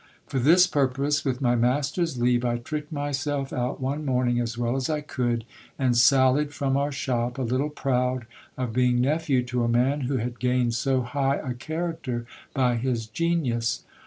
For this purpose, with my master's leave, I tricked myself out one morning as well as I could, and sallied frpm our shop, a little proud of being nephew to a man who had gained so high a character by his genius.